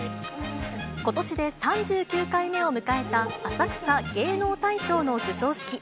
ことしで３９回目を迎えた浅草芸能大賞の授賞式。